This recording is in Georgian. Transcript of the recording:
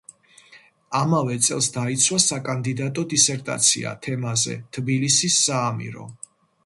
ამავე წელს დაიცვა საკანდიდატო დისერტაცია თემაზე „თბილისის საამირო“.